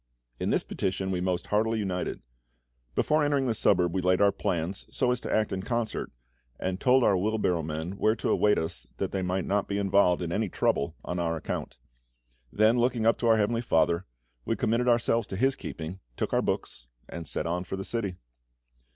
In this petition we most heartily united. Before entering the suburb we laid our plans, so as to act in concert, and told our wheel barrow men where to await us, that they might not be involved in any trouble on our account. Then looking up to our Heavenly FATHER, we committed ourselves to His keeping, took our books, and set on for the city.